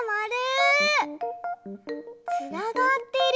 つながってる。